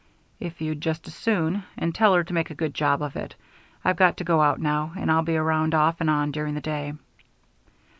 "If you'd just as soon. And tell her to make a good job of it. I've got to go out now, but I'll be around off and on during the day."